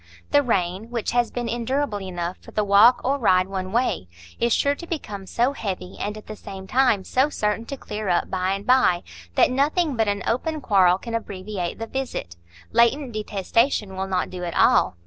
The rain, which has been endurable enough for the walk or ride one way, is sure to become so heavy, and at the same time so certain to clear up by and by, that nothing but an open quarrel can abbreviate the visit; latent detestation will not do at all.